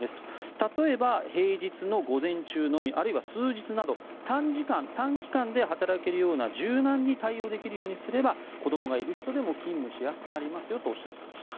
例えば、平日の午前中のみあるいは数日など短時間、短期間で働けるような柔軟な対応にすれば子どもがいる人でも勤務しやすくなりますよとおっしゃっていました。